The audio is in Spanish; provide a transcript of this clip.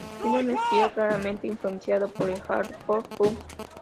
Tiene un estilo claramente influenciado por el Hardcore Punk.